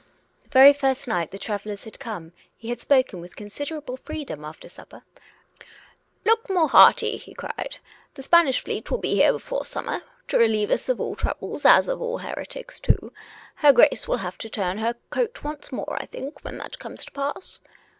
The very first night the travellers had come he had spoken with considerable freedom after supper. " Look more hearty !" he cried. " The Spanish fleet will be here before summer to relieve us of all troubles, as of all heretics, too. Her Grace will have to turn her coat once more, I think, when that comes to pass."